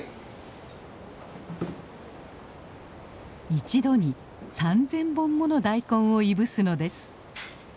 一度に３，０００本もの大根をいぶすのです。